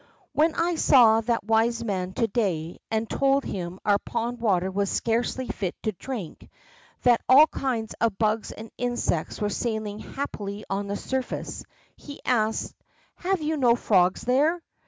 When I saw that wise man to day, and told him our pond water was scarcely fit to drink, that all kinds of bugs and insects were sailing happily on the surface, he asked, ^ Have you no frogs there